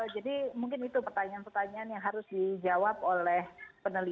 jadi mungkin itu pertanyaan pertanyaan yang harus dijawab oleh peneliti